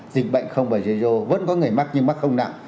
dịch bệnh không phải chế vô vẫn có người mắc nhưng mắc không nặng